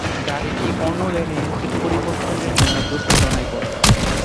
গাড়িটি অন্য লেনে দিক পরিবর্তনের জন্য দুর্ঘটনায় পড়ে।